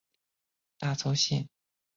大凑线。